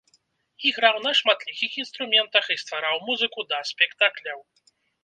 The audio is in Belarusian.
Іграў на шматлікіх інструментах і ствараў музыку да спектакляў.